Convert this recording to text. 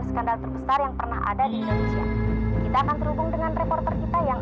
sampai jumpa di video selanjutnya